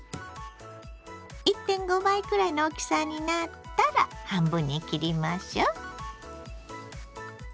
１．５倍くらいの大きさになったら半分に切りましょう。